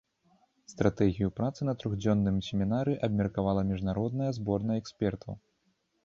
Стратэгію працы на трохдзённым семінары абмеркавала міжнародная зборная экспертаў.